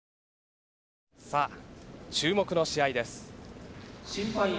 「さあ注目の試合です。